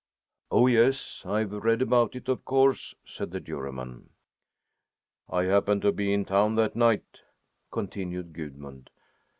"Oh, yes, I've read about it, of course," said the Juryman. "I happened to be in town that night," continued Gudmund.